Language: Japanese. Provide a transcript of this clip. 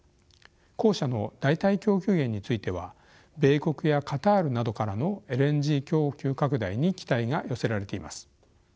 後者の代替供給源については米国やカタールなどからのＬＮＧ供給拡大に期待が寄せられています。